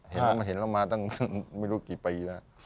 เห็นมาเห็นเรามาตั้งไม่รู้กี่ปีแล้ว